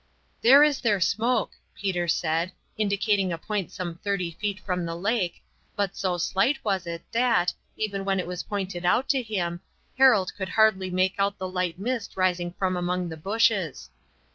"There is their smoke," Peter said, indicating a point some thirty feet from the lake, but so slight was it that, even when it was pointed out to him, Harold could hardly make out the light mist rising from among the bushes.